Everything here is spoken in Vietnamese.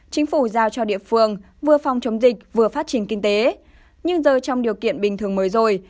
chính phủ giao cho địa phương vừa phòng chống dịch vừa phát triển kinh tế nhưng giờ trong điều kiện bình thường mới rồi